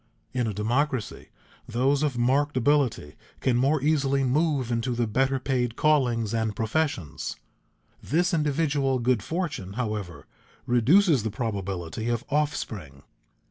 In a democracy, those of marked ability can more easily move into the better paid callings and professions. This individual good fortune, however, reduces the probability of offspring.